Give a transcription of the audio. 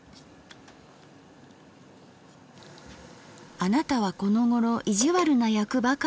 「『あなたはこのごろ意地悪な役ばかりなさるのね。